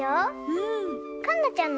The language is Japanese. うん？